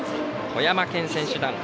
富山県選手団。